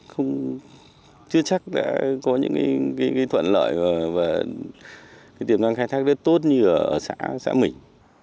không chưa chắc đã có những cái thuận lợi và cái tiềm năng khai thác đất tốt như ở xã xã mình